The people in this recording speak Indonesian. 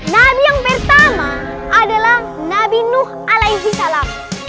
nabi yang pertama adalah nabi nuh alaihi salam